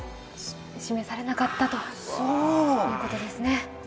指名されなかったということですね。